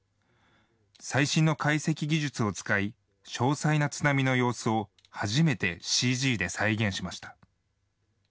最新の解析技術を使い、詳細な津波の様子を初めてＣＧで再現しました。